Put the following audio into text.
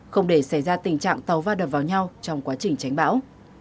không để xảy ra tình trạng tàu va đập vào nhau trong quá trình tránh bão